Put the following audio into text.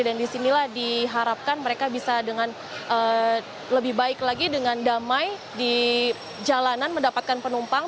dan disinilah diharapkan mereka bisa dengan lebih baik lagi dengan damai di jalanan mendapatkan penumpang